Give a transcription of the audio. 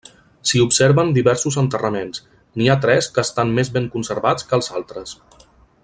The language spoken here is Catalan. S'hi observen diversos enterraments, n'hi ha tres que estan més ben conservats que els altres.